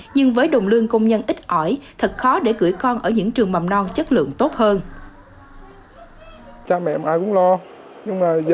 nhưng với đồng lương công nhân ít ỏi thật khó để gửi con ở những trường mầm non chất lượng tốt hơn